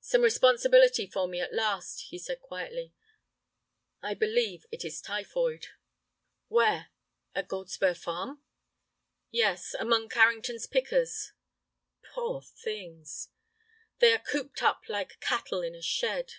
"Some responsibility for me at last," he said, quietly; "I believe it is typhoid." "Where, at Goldspur Farm?" "Yes, among Carrington's pickers." "Poor things!" "They are cooped up like cattle in a shed."